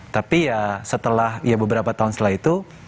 tapi ya setelah ya beberapa tahun setelah itu